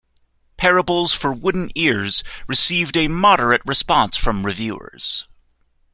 "Parables for Wooden Ears" received a moderate response from reviewers.